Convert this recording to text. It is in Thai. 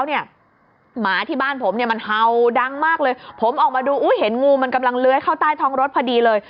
หมาที่บ้านผมมันเห่าดังมากผมออกมาดูเห็นงูมันเลยเข้าใต้ท้องรถพอดีเลย